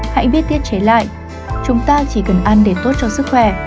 hãy biết tiết chế lại chúng ta chỉ cần ăn để tốt cho sức khỏe